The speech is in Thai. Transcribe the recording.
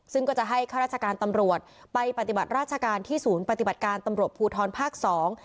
ซึ่งก็จะให้ข้าราชการตำรวจไปปฏิบัติราชการที่ศูนย์ปฏิบัติการตำรวจภูทรภาคสอง